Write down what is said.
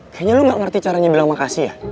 kayaknya lu gak ngerti caranya bilang makasih ya